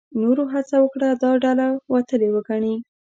نورو هڅه وکړه دا ډله وتلې وګڼي.